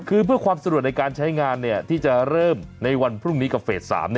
คือเพื่อความสะดวกในการใช้งานที่จะเริ่มในวันพรุ่งนี้กับเฟส๓